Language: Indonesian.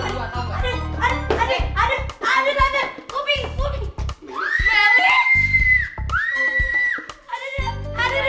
aduh aduh aduh aduh aduh aduh aduh aduh